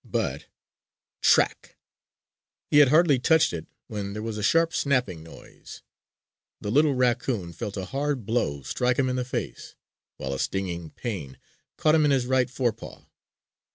But Trac c c! He had hardly touched it when there was a sharp snapping noise. The little raccoon felt a hard blow strike him in the face, while a stinging pain caught him in his right forepaw.